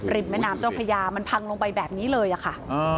แม่น้ำเจ้าพระยามันพังลงไปแบบนี้เลยอะค่ะ